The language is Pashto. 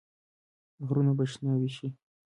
غرونه به شنه شي.